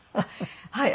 はい。